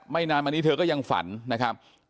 นานมานี้เธอก็ยังฝันนะครับ